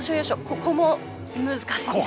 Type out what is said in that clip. ここも難しいです。